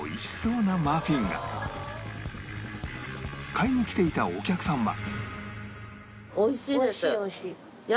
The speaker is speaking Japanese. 買いに来ていたお客さんは